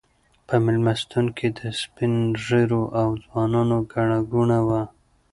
په مېلمستون کې د سپین ږیرو او ځوانانو ګڼه ګوڼه وه.